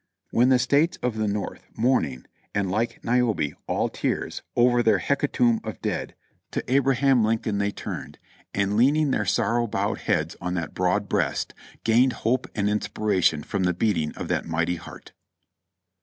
When the States of the North, mourning, and, like Niobe, "all tears," over their hecatomb of dead, to Abraham Lincoln they 274 JOHNNY REB AND BILLY YANK turned, and leaning their sorrow bowed heads on that broad breast,' gained hope and inspiration from the beating of that mighty heart.